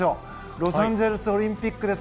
ロサンゼルスオリンピック。